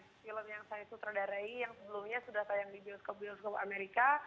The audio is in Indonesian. film yang saya sutradarai yang sebelumnya sudah tayang di bioskop bioskop amerika